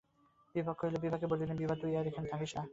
বিভা আসিল, বিভাকে বলিলেন, বিভা, তুই আর এখানে থাকিস নে।